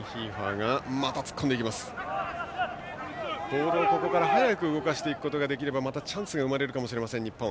ボールをここから速く動かしていくことができればまたチャンスが生まれるかもしれない日本。